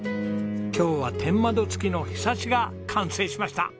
今日は天窓付きのひさしが完成しました。